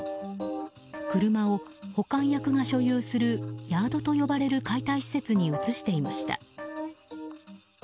車を保管役が所有するヤードと呼ばれる解体施設に移していました。